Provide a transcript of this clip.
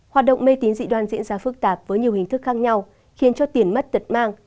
hoạt động mê tín dị đoan diễn ra phức tạp với nhiều hình thức khác nhau khiến cho tiền mất tật mang